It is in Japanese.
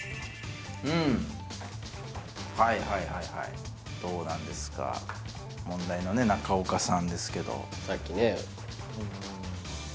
うんはいはいはいはいどうなんですか問題のね中岡さんですけどさっきね